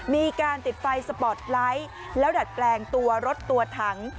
มีการติดไฟสปอร์ตไลท์แล้วดัดแปลงตัวรถตัวถัง